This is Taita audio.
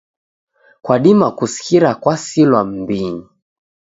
Kwadima kusikira kwasilwa m'mbinyi.